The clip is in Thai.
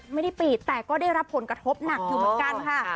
ไม่ได้ปิดแต่ก็ได้รับผลกระทบหนักอยู่เหมือนกันค่ะ